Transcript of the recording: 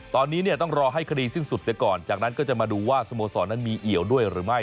ตอนนี้เนี่ยต้องรอให้คดีสิ้นสุดเสียก่อนจากนั้นก็จะมาดูว่าสโมสรนั้นมีเอี่ยวด้วยหรือไม่